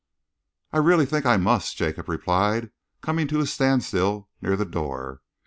"I really think I must," Jacob replied, coming to a standstill near the door.